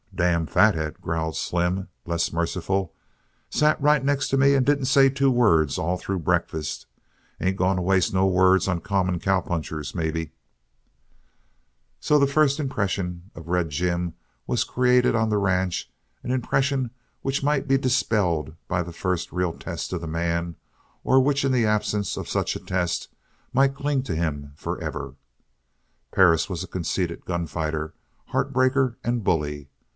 "Damn fat head," growled Slim, less merciful, "sat right next to me and didn't say two words all through breakfast. Ain't going to waste no words on common cowpunchers, maybe." So the first impression of Red Jim was created on the ranch, an impression which might be dispelled by the first real test of the man, or which in the absence of such a test might cling to him forever: Perris was a conceited gun fighter, heart breaker, and bully.